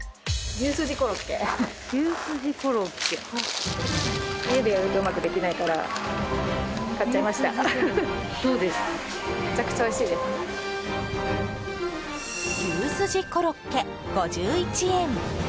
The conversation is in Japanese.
牛すじコロッケ５１円。